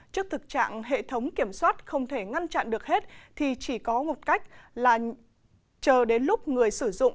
trước thực trạng hệ thống kiểm soát không thể ngăn chặn được hết thì chỉ có một cách là chờ đến lúc người sử dụng